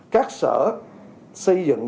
các sở xây dựng